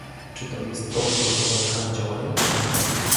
Czy to jest powód do zaniechania działania?